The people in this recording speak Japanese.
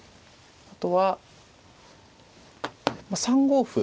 あとは３五歩。